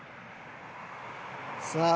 さあ。